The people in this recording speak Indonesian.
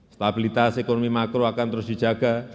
stabilitas ekonomi makro akan terus dijaga